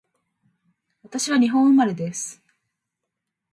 私は日本生まれです